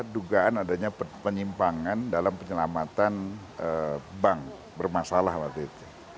dugaan adanya penyimpangan dalam penyelamatan bank bermasalah waktu itu